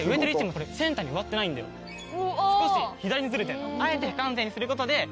少し左にずれてんの。